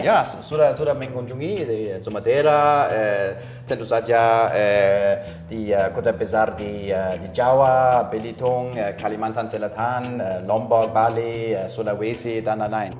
ya sudah mengunjungi sumatera tentu saja di kota besar di jawa belitung kalimantan selatan nombol bali sulawesi dan lain lain